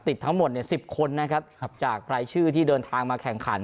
ทั้งหมด๑๐คนนะครับจากรายชื่อที่เดินทางมาแข่งขัน